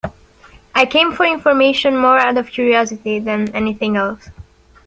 I came for information more out of curiosity than anything else.